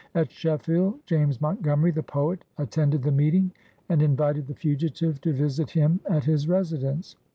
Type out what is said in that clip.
At Sheffield, James Montgomery, the poet, attended the meeting, and invited the fugitive to visit him at his residence.